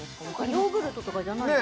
ヨーグルトとかじゃないの？